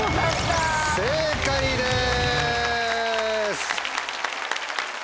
正解です。